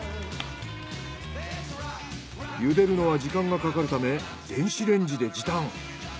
ゆでるのは時間がかかるため電子レンジで時短。